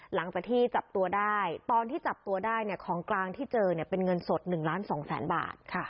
หลังจากที่จับตัวได้ตอนที่จับตัวได้เนี่ยของกลางที่เจอเนี่ยเป็นเงินสด๑ล้าน๒แสนบาท